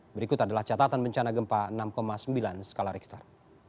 berikut adalah catatan bencana gempa enam sembilan skala richter